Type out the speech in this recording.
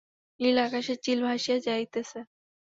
নীল আকাশে চিল ভাসিয়া যাইতেছে।